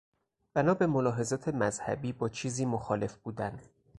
بنا به ملاحظات مذهبی با چیزی مخالف بودن.